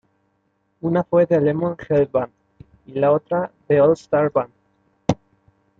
Una fue The Levon Helm Band y la otra, The All Star Band.